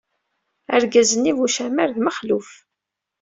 Argaz-nni bu ucamar d Mexluf.